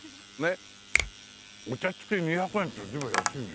お茶付きで２００円って随分安いね。